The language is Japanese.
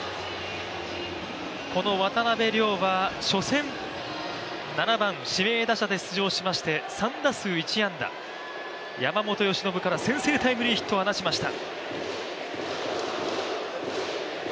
この渡邉諒は初戦、７番指名打者で出場しまして３打数１安打、山本由伸から先制タイムリーヒットを放ちました。